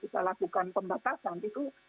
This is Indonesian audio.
kita lakukan pembatasan itu